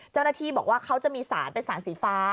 เจ้าหน้าที่บอกว่าเขาจะมีสารเป็นสารสีฟ้า